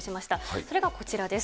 それがこちらです。